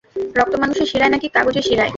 রক্ত মানুষের শিরায় নাকি কাগজের শিরায়?